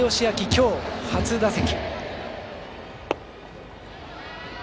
今日、初打席。